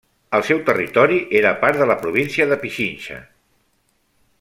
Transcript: El seu territori era part de la província de Pichincha.